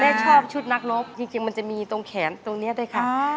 ชอบชุดนักรบจริงมันจะมีตรงแขนตรงนี้ด้วยค่ะ